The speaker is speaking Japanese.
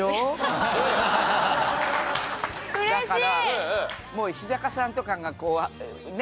だから。